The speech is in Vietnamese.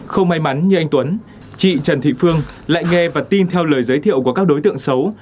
không may mắn như anh tuấn chị trần thị phương lại nghe và tin theo lời giới thiệu của các đối tượng xấu